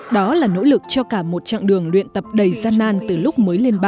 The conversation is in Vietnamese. đó là nỗ lực cho cả một chặng đường luyện tập đầy gian nan từ lúc mới lên ba